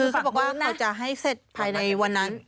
คือเขาบอกว่าเขาจะให้เสร็จภายในวันนั้น